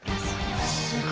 すごい。